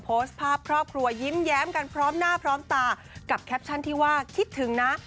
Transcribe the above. โพสต์ภาพครอบครัวยิ้มแย้มกันพร้อมหน้าพร้อมตากับแคปชั่นที่ว่าคิดถึงนะ